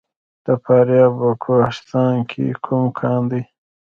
د فاریاب په کوهستان کې کوم کان دی؟